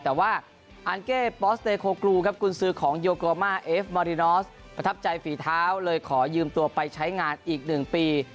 แต่ว่าคุณซื้อของประทับใจฝีเท้าเลยขอยืมตัวไปใช้งานอีกหนึ่งปี